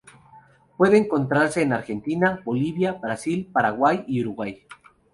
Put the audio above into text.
Puede encontrarse en Argentina, Bolivia, Brasil, Paraguay y Uruguay.